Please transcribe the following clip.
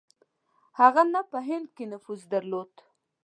هغه نه په هند کې نفوذ درلود.